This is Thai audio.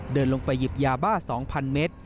เดินลงไปหยิบยาบ้า๒๐๐เมตร